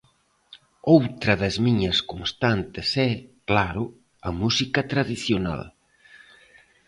Outra das miñas constantes é, claro, a música tradicional.